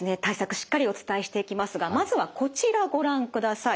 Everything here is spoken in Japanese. しっかりお伝えしていきますがまずはこちらご覧ください。